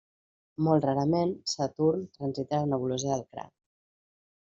Molt rarament, Saturn transita la nebulosa del Cranc.